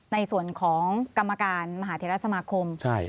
ในส่วนของกรรมการมหาเทราสมาคม